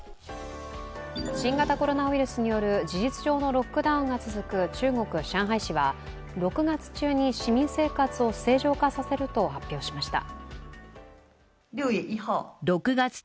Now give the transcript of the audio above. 新型コロナウイルスによる事実上のロックダウンが続く中国・上海市は６月中に、市民生活を正常化させると発表しました。